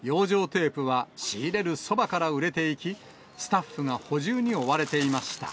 テープは仕入れるそばから売れていき、スタッフが補充に追われていました。